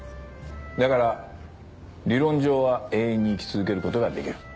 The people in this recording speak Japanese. だから理論上は永遠に生き続けることができる。